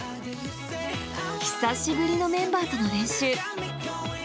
久しぶりのメンバーとの練習。